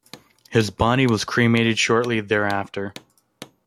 His body was cremated shortly thereafter.